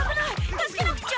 助けなくちゃ！